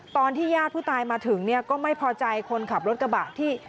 ตอนที่ญาติผู้ตายมาถึงเนี่ยก็ไม่พอใจคนขับรถกระบะที่